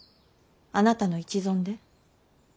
あなたの一存で？